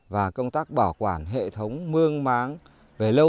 và công tác bảo quản hệ thống dẫn nước sẽ thuận lợi hơn